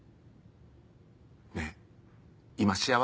ねぇ今幸せ？